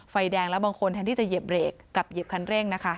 ไฟแดงแล้วบางคนแทนที่จะเหยียบเบรกกลับเหยียบคันเร่งนะคะ